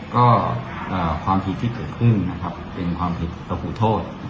ก็ความผิดที่เกิดขึ้นนะครับเป็นความผิดระหูโทษ